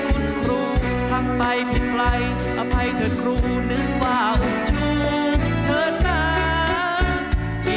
คุณครูทางไปผิดไกลอภัยเถิดครูหนึ่งฝ่าอุ่นชูเผือนกัน